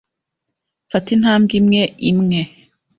Fata intambwe imwe imwe.